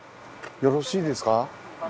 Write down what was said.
よろしいですか？